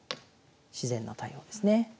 自然な対応ですね。